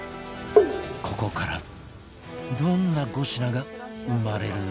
ここからどんな５品が生まれるのか？